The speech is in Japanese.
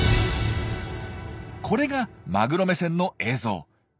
これがマグロ目線の映像。